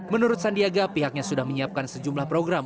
menurut sandiaga pihaknya sudah menyiapkan sejumlah program